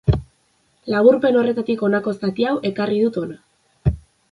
Laburpen horretatik honako zati hau ekarri dut hona.